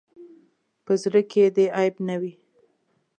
په زړۀ کې دې عیب نه وي.